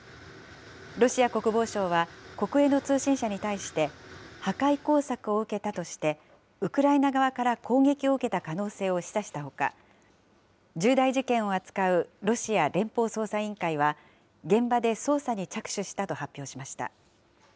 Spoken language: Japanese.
ロシア国防省は、国営の通信社に対して、破壊工作を受けたとして、ウクライナ側から攻撃を受けた可能性を示唆したほか、重大事件を扱うロシア連邦捜査委員会は、現場で捜査に着手したと発表しました。